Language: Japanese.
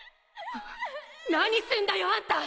何すんだよあんた！